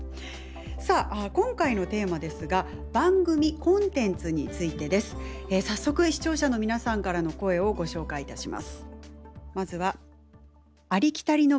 さあ今回のテーマですが番組コンテンツについてです。早速視聴者の皆さんからの声をご紹介いたします。